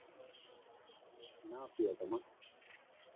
না, প্রিয়তমা।